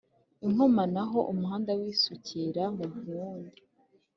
InkomaneAho umuhanda wisukira mu wundi